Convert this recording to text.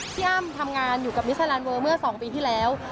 พี่อ้ำทำงานอยู่กับมิสลานเวอร์เมื่อ๒ปีที่แล้ว